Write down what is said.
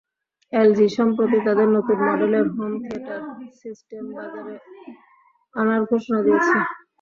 LG সম্প্রতি তাদের নতুন মডেলের হোম থিয়েটার সিস্টেম বাজারে আনার ঘোষণা দিয়েছে।